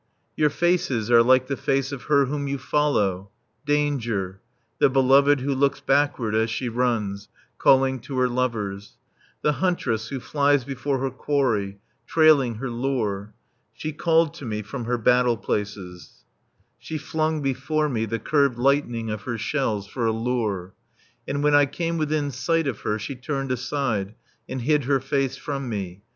Your faces are like the face of her whom you follow, Danger, The Beloved who looks backward as she runs, calling to her lovers, The Huntress who flies before her quarry, trailing her lure. She called to me from her battle places, She flung before me the curved lightning of her shells for a lure; And when I came within sight of her, She turned aside, And hid her face from me.